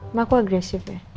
emang aku agresif ya